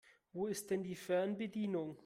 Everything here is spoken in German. Wo ist denn die Fernbedienung?